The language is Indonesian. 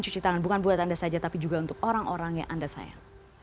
cuci tangan bukan buat anda saja tapi juga untuk orang orang yang anda sayang